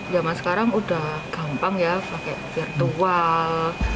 zaman sekarang udah gampang ya pakai virtual